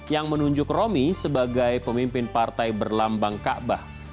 yang menunjuk romi sebagai pemimpin partai berlambang kaabah